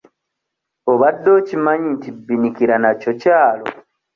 Obadde okimanyi nti Bbinikira nakyo kyalo?